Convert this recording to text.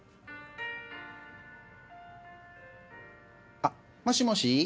あっもしもし？